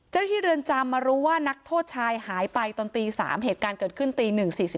ที่เรือนจำมารู้ว่านักโทษชายหายไปตอนตี๓เหตุการณ์เกิดขึ้นตี๑๔๔